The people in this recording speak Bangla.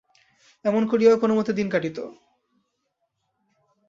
এমন করিয়াও কোনোমতে দিন কাটিত।